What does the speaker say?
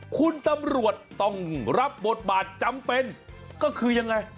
คุณตำรวจต้องรับบทบาทจำเป็นก็คือยังไง